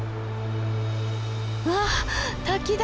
わあ滝だ。